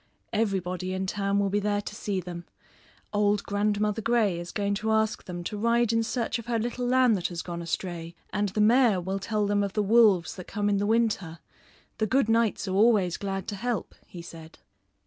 Everybody in town will be there to see them. Old Grandmother Grey is going to ask them to ride in search of her little lamb that has gone astray; and the mayor will tell them of the wolves that come in the winter. The good knights are always glad to help," he said.